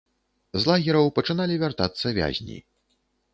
З лагераў пачыналі вяртацца вязні.